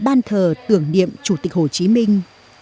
bạn thờ tưởng niệm chủ tịch hồ chí minh